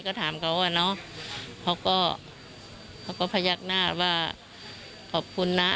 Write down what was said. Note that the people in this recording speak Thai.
ก็ถามเขาอ่ะเนอะเขาก็เขาก็พยักหน้าว่าขอบคุณนะ